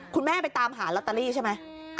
คุณแม่ไปตามหาลอตเตอรี่ใช่ไหม